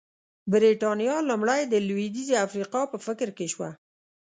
برېټانیا لومړی د لوېدیځې افریقا په فکر کې شوه.